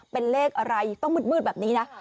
เป็นเลขอะไรต้องมืดแบบนี้นะ